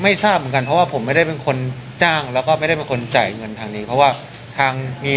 ไม่ทราบเหมือนกันเพราะว่าผมไม่ได้เป็นคนจ้างแล้วก็ไม่ได้เป็นคนจ่ายเงินทางนี้